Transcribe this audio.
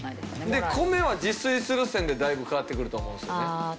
で米は自炊するせんでだいぶ変わってくると思うんですよね。